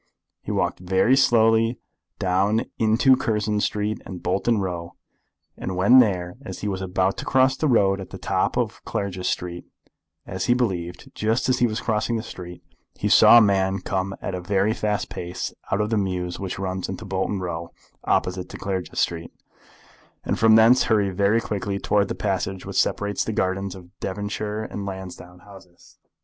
He walked very slowly down into Curzon Street and Bolton Row, and when there, as he was about to cross the road at the top of Clarges Street, as he believed, just as he was crossing the street, he saw a man come at a very fast pace out of the mews which runs into Bolton Row, opposite to Clarges Street, and from thence hurry very quickly towards the passage which separates the gardens of Devonshire and Lansdowne Houses.